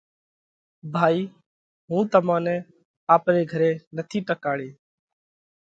ڀائِي هُون تمون نئہ آپري گھري نٿي ٽڪاڙي